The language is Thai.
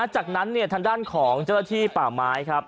จากนั้นทางด้านของเจ้าหน้าที่ป่าไม้ครับ